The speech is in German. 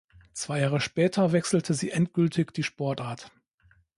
Zwei Jahre später wechselte sie endgültig die Sportart.